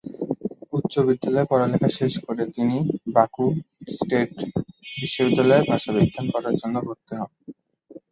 উচ্চ বিদ্যালয়ে পড়ালেখা শেষ করে তিনি বাকু স্টেট বিশ্ববিদ্যালয়ে ভাষাবিজ্ঞান পড়ার জন্য ভর্তি হন।